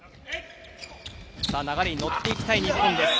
流れに乗っていきたい日本です。